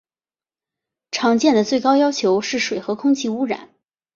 常见的最高要求是水和空气污染。